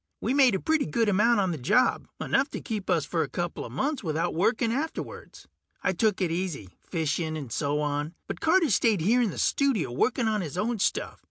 We made a pretty good amount on the job, enough to keep us for a coupla months without working afterwards. I took it easy, fishing and so on, but Carter stayed here in the studio working on his own stuff.